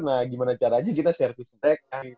nah gimana caranya kita service